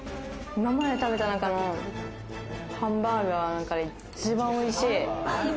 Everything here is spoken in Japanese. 今まで食べた中のハンバーガーの中で一番おいしい。